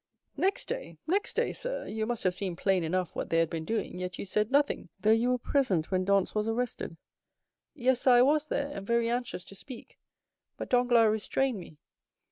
"Next day—next day, sir, you must have seen plain enough what they had been doing, yet you said nothing, though you were present when Dantès was arrested." "Yes, sir, I was there, and very anxious to speak; but Danglars restrained me.